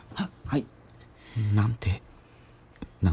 はい。